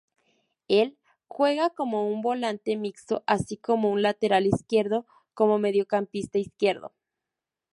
Él juega como un volante mixto así como un lateral izquierdo como Mediocampista Izquierdo.